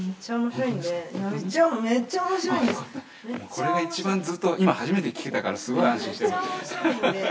これが一番ずっと、今初めて聞けたから、すごい安心してます。